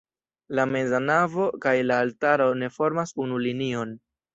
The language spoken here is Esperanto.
La meza navo kaj la altaro ne formas unu linion.